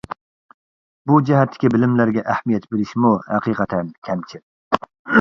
بۇ جەھەتتىكى بىلىملەرگە ئەھمىيەت بېرىشمۇ ھەقىقەتەن كەمچىل.